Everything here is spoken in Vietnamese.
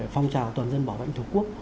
phong trào toàn dân bảo vệ an ninh tổ quốc